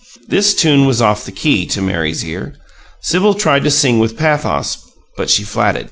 This tune was off the key, to Mary's ear. Sibyl tried to sing with pathos, but she flatted.